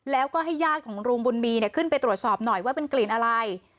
แล้วก็ให้ญาติของลุงบุญมีขึ้นไปตรวจสอบหน่อยว่าเป็นกลิ่นอะไร